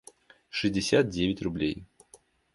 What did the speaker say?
шестьдесят девять рублей